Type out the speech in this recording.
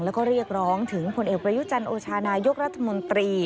แล้วก็เรียกร้องถึงผลเอกประยุจันทร์โอชานายกรัฐมนตรี